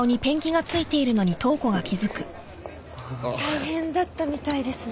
大変だったみたいですね。